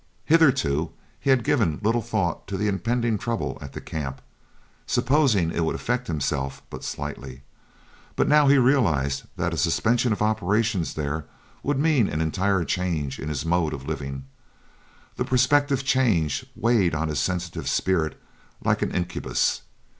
Hitherto he had given little thought to the impending trouble at the camp, supposing it would affect himself but slightly; but he now realized that a suspension of operations there would mean an entire change in his mode of living. The prospective change weighed on his sensitive spirits like an incubus.